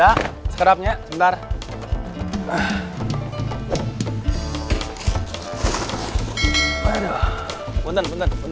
assalamu'alaikum kak nga cheng